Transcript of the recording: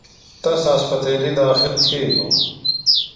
تس اسپتیلیۡ داخل تِھیلوۡ۔